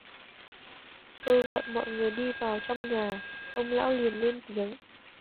Tôi gọi mọi người đi vào trong nhà, ông lão liền lên tiếng